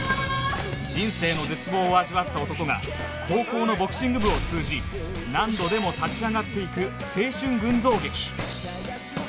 人生の絶望を味わった男が高校のボクシング部を通じ何度でも立ち上がっていく青春群像劇